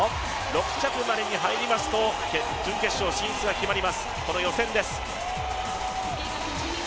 ６着までに入りますと、準決勝進出が決まります、この予選です。